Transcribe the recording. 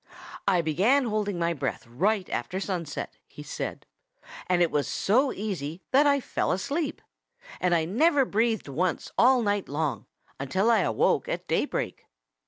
"I began holding my breath right after sunset," he said, "and it was so easy that I fell asleep. And I never breathed once all night long, until I awoke at day break."